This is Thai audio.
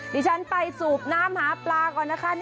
ดิฉันไปสูบน้ำหาปลาก่อนนะคะ